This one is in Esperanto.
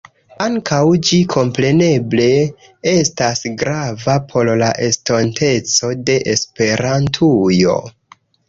Ankaŭ ĝi kompreneble estas grava por la estonteco de Esperantujo.